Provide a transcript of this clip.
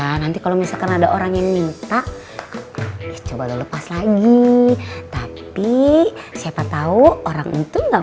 nah nanti kalau misalkan ada orang yang minta coba lepas lagi tapi siapa tahu orang itu enggak